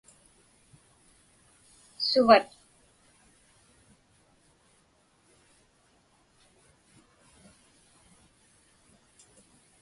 Suvat?